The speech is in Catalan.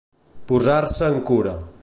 Posar-se en cura.